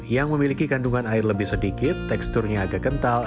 yang memiliki kandungan air lebih sedikit teksturnya agak kental